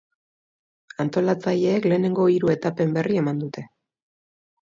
Antolatzaileek lehenengo hiru etapen berri eman dute.